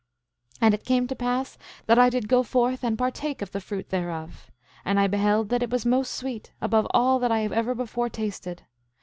8:11 And it came to pass that I did go forth and partake of the fruit thereof; and I beheld that it was most sweet, above all that I ever before tasted.